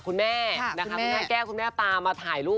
คุณแม่แก้วคุณแม่ตามมาถ่ายรูป